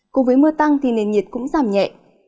cùng với mưa tăng thì nền nhiệt cũng giảm nhẹ